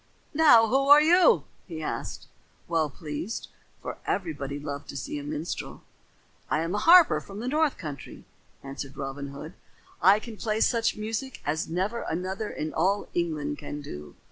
"Now, who are you?" he asked, well pleased, for everybody loved to see a minstrel. "I am a harper from the north country," answered Robin Hood. "I can play such music as never another in all England can do.